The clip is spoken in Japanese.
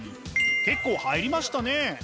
結構入りましたね。